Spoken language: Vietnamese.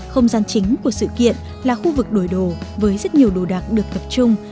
không gian chính của sự kiện là khu vực đổi đồ với rất nhiều đồ đặc được tập trung